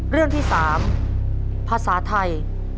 เรื่องที่๓ภาษาไทย